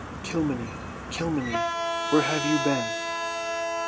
"Kilmeny, Kilmeny, where have you been?